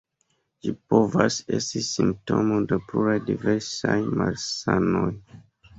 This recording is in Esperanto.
Ĝi povas esti simptomo de pluraj diversaj malsanoj.